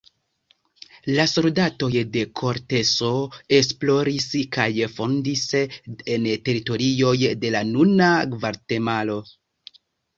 La soldatoj de Korteso esploris kaj fondis en teritorioj de la nuna Gvatemalo.